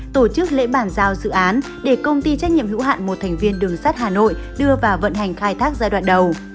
tổ chức lễ bàn giao dự án để công ty trách nhiệm hữu hạn một thành viên đường sắt hà nội đưa vào vận hành khai thác giai đoạn đầu